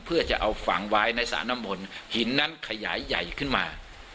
เพื่อจะเอาฝังไว้ในสระน้ำมนต์หินนั้นขยายใหญ่ขึ้นมา